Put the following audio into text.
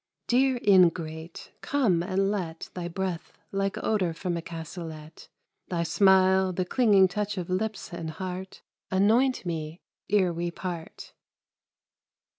Dear ingrate, come and let Thy breath like odor from a cassolet, Thy smile, the clinging touch of lips and heart Anoint me, ere we part.